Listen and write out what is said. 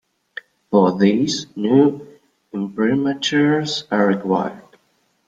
For these, new imprimaturs are required.